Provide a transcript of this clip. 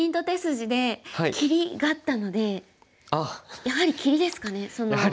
手筋で切りがあったのでやはり切りですかねその。